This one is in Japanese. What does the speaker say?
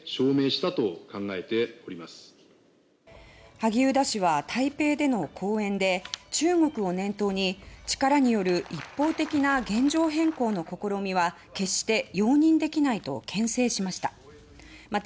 萩生田氏は台北での講演で中国を念頭に力による一方的な現状変更の試みは決して容認できないと牽制しました。